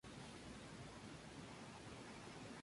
Tal fue el caso de esta comunidad de villa y tierra.